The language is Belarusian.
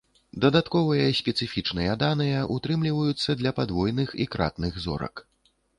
Дадатковыя спецыфічныя даныя ўтрымліваюцца для падвойных і кратных зорак.